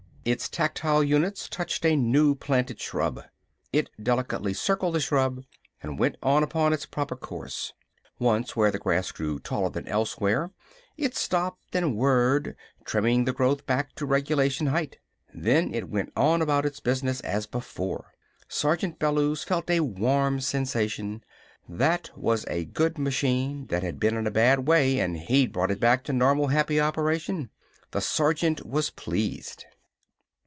Its tactile units touched a new planted shrub. It delicately circled the shrub and went on upon its proper course. Once, where the grass grew taller than elsewhere, it stopped and whirred, trimming the growth back to regulation height. Then it went on about its business as before. Sergeant Bellews felt a warm sensation. That was a good machine that had been in a bad way and he'd brought it back to normal, happy operation. The sergeant was pleased.